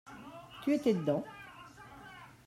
Tu étais dedans.